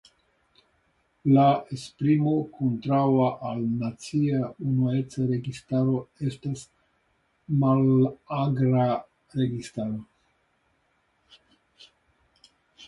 La esprimo kontraŭa al "nacia unueca registaro" estas "mallarĝa registaro".